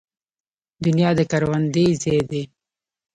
دنیا د کروندې ځای دی